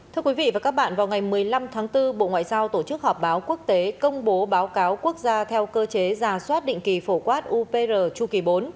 thưa quý vị và các bạn vào ngày một mươi năm tháng bốn bộ ngoại giao tổ chức họp báo quốc tế công bố báo cáo quốc gia theo cơ chế giả soát định kỳ phổ quát upr chu kỳ bốn